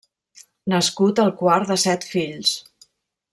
Nascut el quart de set fills.